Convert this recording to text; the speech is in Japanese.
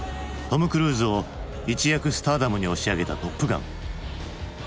トム・クルーズを一躍スターダムに押し上げた「トップガン」。